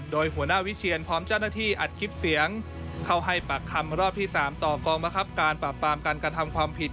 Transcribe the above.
โดยหัวหน้าวิเชียนพร้อมเจ้าหน้าที่อัดคลิปเสียงเข้าให้ปากคำรอบที่๓ต่อกองมะครับการปราบปรามการกระทำความผิด